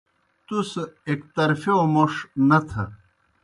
تُس ایْک طرفِیؤ موْݜ نتھہ۔